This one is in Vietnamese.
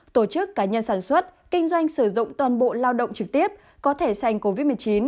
tổ chức cá nhân sản xuất kinh doanh sử dụng toàn bộ lao động trực tiếp có thể sành covid một mươi chín